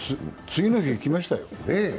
次の日、いきましたよ。